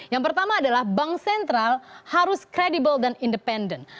yang pertama adalah bank sentral harus kredibel dan independen